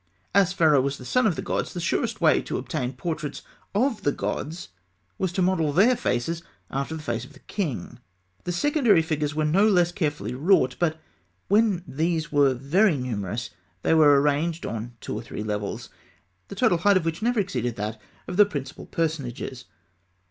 As Pharaoh was the son of the gods, the surest way to obtain portraits of the gods was to model their faces after the face of the king. The secondary figures were no less carefully wrought; but when these were very numerous, they were arranged on two or three levels, the total height of which never exceeded that of the principal personages.